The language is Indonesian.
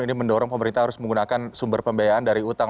ini mendorong pemerintah harus menggunakan sumber pembiayaan dari utang